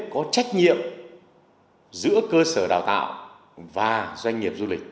có trách nhiệm giữa cơ sở đào tạo và doanh nghiệp du lịch